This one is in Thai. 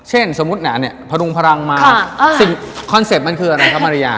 สมมุติหนาเนี่ยพรุงพลังมาสิ่งคอนเซ็ปต์มันคืออะไรครับมาริยา